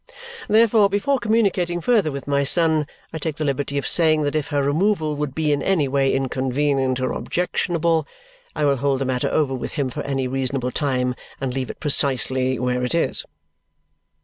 Therefore, before communicating further with my son, I take the liberty of saying that if her removal would be in any way inconvenient or objectionable, I will hold the matter over with him for any reasonable time and leave it precisely where it is."